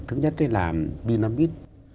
thứ nhất đấy là vinamid